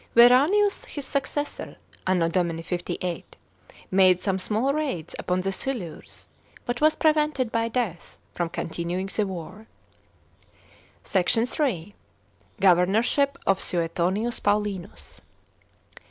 Veranius his successor (A.D. 58) made some small raids upon the Silures, but was prevented by deaih from continuing the war. SECT. III. — GOVERNORSHIP OF SUETONIUS PAULINUS.